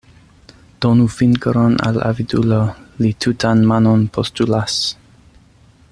Donu fingron al avidulo, li tutan manon postulas.